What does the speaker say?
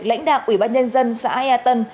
lãnh đạo ủy ban nhân dân xã ea tân